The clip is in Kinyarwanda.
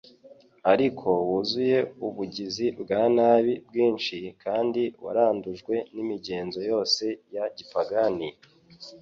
ariko wuzuye ubugizi bwa nabi bwinshi, kandi warandujwe n'imigenzo yose ya gipagani,